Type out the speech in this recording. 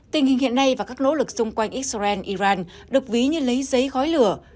tình hình hiện nay và các nỗ lực xung quanh israel iran được ví như lấy giấy gói lửa